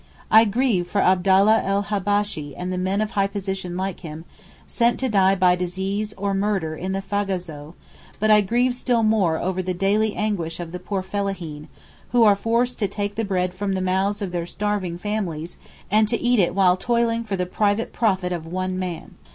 I grieve for Abdallah el Habbashee and men of high position like him, sent to die by disease (or murder), in Fazoghou, but I grieve still more over the daily anguish of the poor fellaheen, who are forced to take the bread from the mouths of their starving families and to eat it while toiling for the private profit of one man.